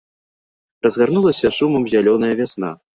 Разгарнулася шумам зялёная вясна.